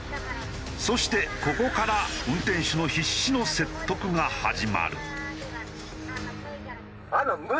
そしてここから運転手の必死の説得が始まる。